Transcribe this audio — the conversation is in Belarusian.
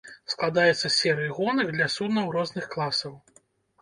Складаецца з серыі гонак для суднаў розных класаў.